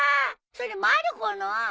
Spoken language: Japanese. それまる子の！